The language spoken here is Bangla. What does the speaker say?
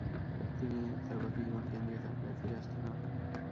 তিনি তার বাকি জীবনে কেন্দ্রীয় সরকারে ফিরে আসতে না পারে।